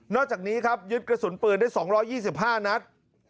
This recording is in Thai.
อกจากนี้ครับยึดกระสุนปืนได้๒๒๕นัด